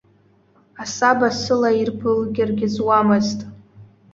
Асаба сылаирбылгьаргьы зуамызт.